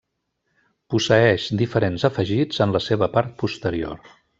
Posseeix diferents afegits en la seva part posterior.